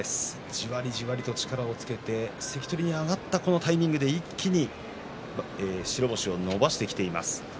じわりじわりと力をつけて関取に上がったタイミングで一気に白星を伸ばしてきています。